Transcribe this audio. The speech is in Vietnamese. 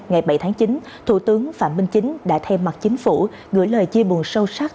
ngày bảy tháng chín thủ tướng phạm minh chính đã thay mặt chính phủ gửi lời chia buồn sâu sắc